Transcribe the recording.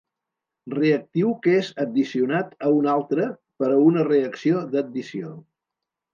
Reactiu que és addicionat a un altre per a una reacció d'addició.